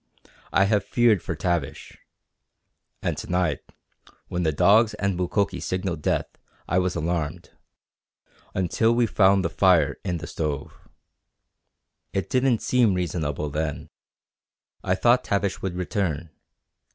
I have feared for Tavish. And to night when the dogs and Mukoki signalled death I was alarmed until we found the fire in the stove. It didn't seem reasonable then. I thought Tavish would return.